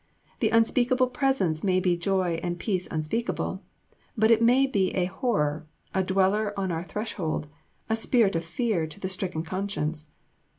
The Unspeakable Presence may be joy and peace unspeakable, but it may be a Horror, a Dweller on our Threshold, a Spirit of Fear to the stricken conscience.